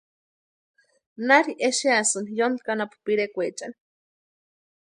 ¿Nari exeasïni yónki anapu pirekwaechani?